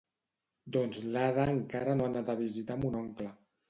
Doncs l'Ada encara no ha anat a visitar mon oncle